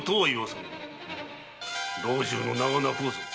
老中の名が泣こうぞ。